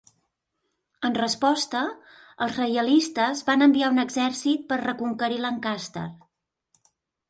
En resposta, els reialistes van enviar un exèrcit per reconquerir Lancaster.